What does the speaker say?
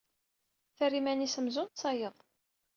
Terra iman-is amzun d tayeḍ.